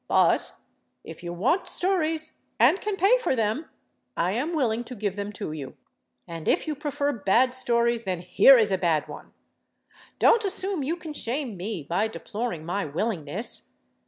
But if you want stories, and can pay for them, I am willing to give them to you. And if you prefer bad stories, then here is a bad one. Don't assume you can shame me by deploring my willingness.